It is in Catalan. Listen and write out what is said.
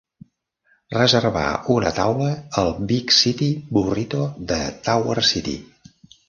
reservar una taula al Big City Burrito de Tower City